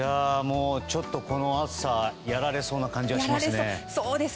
ちょっと、この暑さやられそうな感じがします。